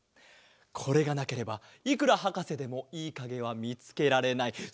これがなければいくらはかせでもいいかげはみつけられない。